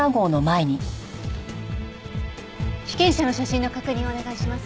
被験者の写真の確認をお願いします。